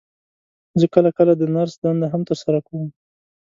زه کله کله د نرس دنده هم تر سره کوم.